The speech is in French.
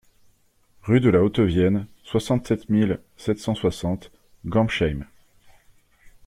Rue de la Haute-Vienne, soixante-sept mille sept cent soixante Gambsheim